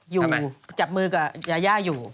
อยู่จับมือกับยาย่าอยู่